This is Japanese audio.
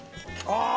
ああ！